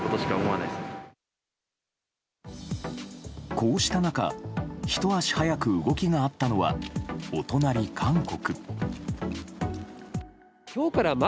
こうした中、ひと足早く動きがあったのは、お隣・韓国。